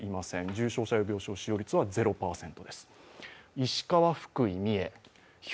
重症者用病床使用率は０％です。